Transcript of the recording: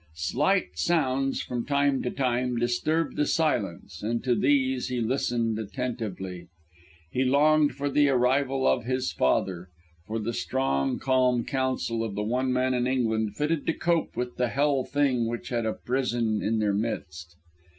Slight sounds from time to time disturbed the silence and to these he listened attentively. He longed for the arrival of his father for the strong, calm counsel of the one man in England fitted to cope with the Hell Thing which had uprisen in their midst.